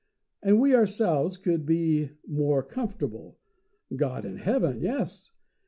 And we ourselves could be more comfortable God in heaven, yes!